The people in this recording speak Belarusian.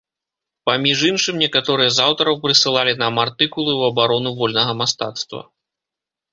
Паміж іншым, некаторыя з аўтараў прысылалі нам артыкулы ў абарону вольнага мастацтва.